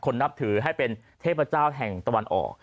นับถือให้เป็นเทพเจ้าแห่งตะวันออก